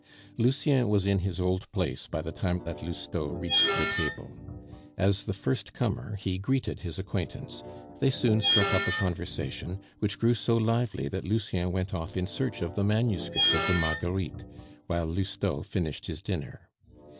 Lucien was in his old place by the time that Lousteau reached the table; as the first comer, he greeted his acquaintance; they soon struck up a conversation, which grew so lively that Lucien went off in search of the manuscript of the Marguerites, while Lousteau finished his dinner.